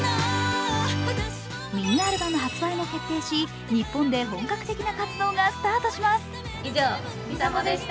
ミニアルバム発売も決定し日本で本格的な活動がスタートします。